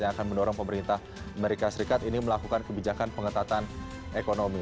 yang akan mendorong pemerintah amerika serikat ini melakukan kebijakan pengetatan ekonomi